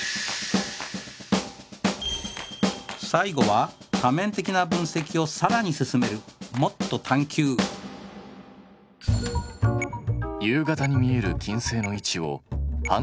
最後は多面的な分析をさらに進める夕方に見える金星の位置を半年かけて記録。